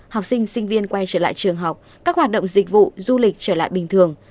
học sinh sinh viên quay trở lại trường học các hoạt động dịch vụ du lịch trở lại bình thường